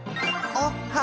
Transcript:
おっは！